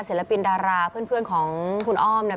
ศิลปินดาราเพื่อนของคุณอ้อมเนี่ย